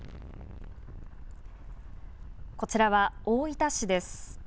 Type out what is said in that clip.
こちらは大分市です。